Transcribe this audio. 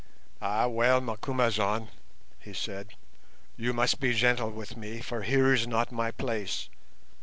"Ah, well, Macumazahn," he said, "you must be gentle with me, for here is not my place.